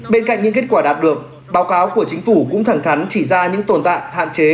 bên cạnh những kết quả đạt được báo cáo của chính phủ cũng thẳng thắn chỉ ra những tồn tại hạn chế